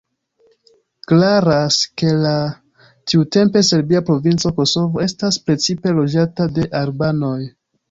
Klaras ke la tiutempe serbia provinco Kosovo estas precipe loĝata de albanoj.